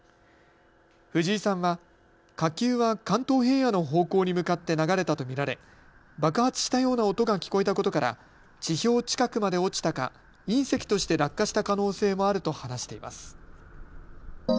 藤井さんは火球は関東平野の方向に向かって流れたと見られ爆発したような音が聞こえたことから地表近くまで落ちたか隕石として落下した可能性もあると話しています。